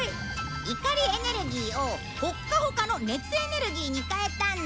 怒りエネルギーをホッカホカの熱エネルギーに変えたんだ。